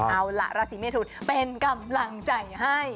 เอาล่ะราศีเมทุนเป็นกำลังใจให้